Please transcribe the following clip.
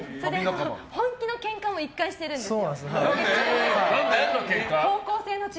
本気のケンカも１回してるんです。